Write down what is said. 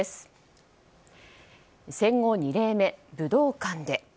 戦後２例目、武道館で。